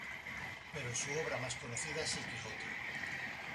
Pero su obra más conocida es "El Quijote.